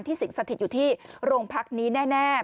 สิ่งสถิตอยู่ที่โรงพักนี้แน่